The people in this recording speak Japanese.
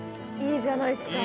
いいじゃないっすか。